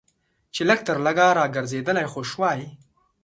چې لږ تر لږه راګرځېدلی خو شوای.